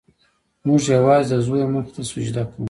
موږ یوازې د زور مخې ته سجده کوو.